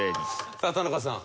さあ田中さん。